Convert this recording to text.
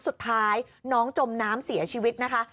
สุดท้ายน้องจมน้ำเสียชีวิตนะคะ